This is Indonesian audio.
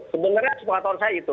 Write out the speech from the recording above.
sebenarnya sepengat tahun saya itu